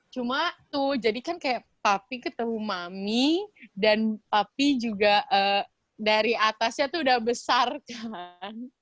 cuma tuh jadi kan kayak papi ke tahu mami dan papi juga dari atasnya tuh udah besar kan